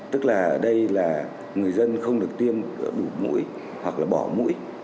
tức là ở đây là người dân không được tiêm đủ mũi hoặc là bỏ mũi